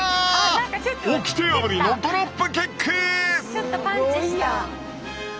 ちょっとパンチした。